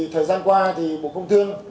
thời gian qua bộ công thương